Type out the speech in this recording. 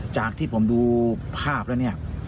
จากที่ผมดูภาพแล้วเนี่ย